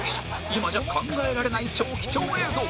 今じゃ考えられない超貴重映像！